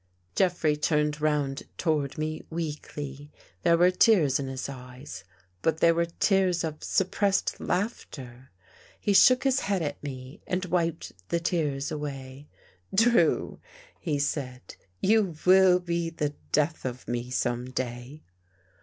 Jeffrey turned round toward me weakly. There were tears in his eyes, but they were tears of sup pressed laughter. He shook his head at me and wiped the tears away'. " Drew," he said, " you will be the death of me some day."